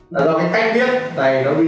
tại tầng này sự hoang mang có thể lớn hơn